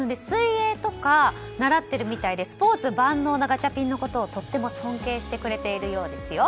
水泳とか習ってるみたいでスポーツ万能なガチャピンのことをとても尊敬してくれているようです。